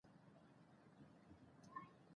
پکښي بند سول د مرغانو وزرونه